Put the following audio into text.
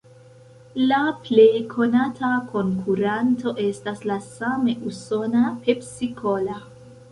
La plej konata konkuranto estas la same usona "Pepsi-Cola".